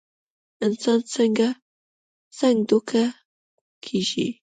انسان څنګ دوکه کيږي